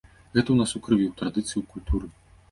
Гэта ў нас у крыві, у традыцыі, у культуры.